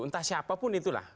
entah siapa pun itulah